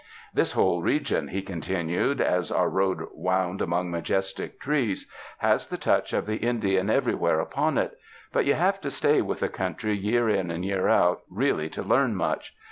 "This whole region," he continued, as our road wound among majestic trees, *'has the touch of the Indian everywhere upon it; but you have to stay with the country year in and year out really to learn much.